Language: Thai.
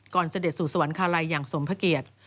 เสด็จสู่สวรรคาลัยอย่างสมพระเกียรติ